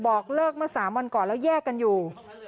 บอกเลิกเมื่อ๓วันก่อนแล้วแยกกันอยู่